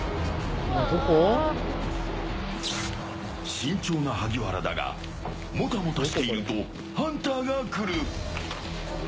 慎重な萩原だがもたもたしているとハンターが来る。